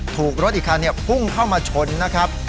ถูกรถอีกคันพุ่งเข้ามาชนนะครับ